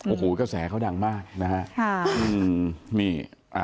โอ้โหเกษาเขาดังมากนะฮะ